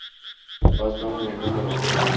ফাজলামো বন্ধ করো!